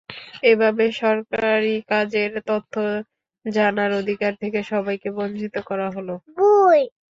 এভাবে সরকারি কাজের তথ্য জানার অধিকার থেকে সবাইকে বঞ্চিত করা হলো।